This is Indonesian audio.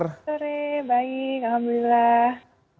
sore baik alhamdulillah